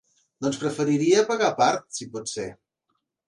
Doncs preferiria pagar a part, si pot ser?